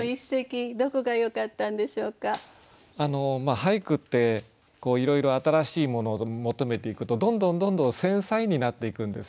俳句っていろいろ新しいものを求めていくとどんどんどんどん繊細になっていくんですね。